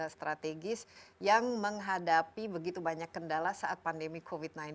strategis yang menghadapi begitu banyak kendala saat pandemi covid sembilan belas